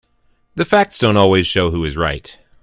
The facts don't always show who is right.